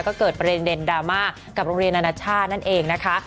ก็เกิดประเด็นดราม่ากับโรงเรียนนานาชาตินั่นเองนะคะ